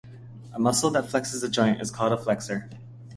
A muscle that flexes a joint is called a "flexor".